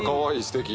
すてき。